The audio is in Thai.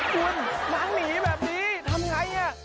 คุณนางหนีแบบนี้ทำอย่างไร